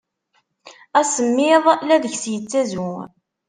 Asemmiḍ la deg-s yettazu.